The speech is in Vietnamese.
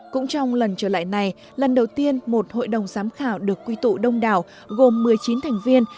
cũng trong lần trở lại này lần đầu tiên một hội đồng giám khảo được quy tụ đông đảo gồm một mươi chín thành viên